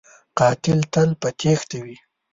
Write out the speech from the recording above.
قاتل تل په تیښته وي